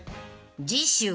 ［次週］